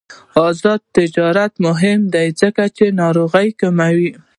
آزاد تجارت مهم دی ځکه چې ناروغۍ کموي.